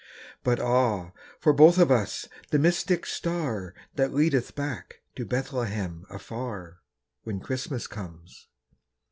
But ah, for both of us the mystic star That leadeth back to Bethlehem afar, When Christmas comes.